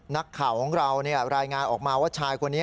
นักข่าวของเรารายงานออกมาว่าชายคนนี้